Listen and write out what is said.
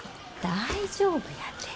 大丈夫やて。